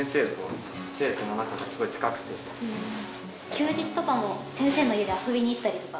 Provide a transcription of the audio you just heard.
休日とかも先生の家にあそびに行ったりとか。